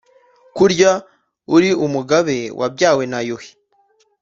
Kurya uri umugabe wabyawe na Yuhi